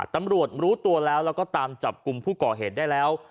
ตำรวจรู้ตัวแล้วแล้วก็ตามจับกลุ่มผู้ก่อเหตุได้แล้ว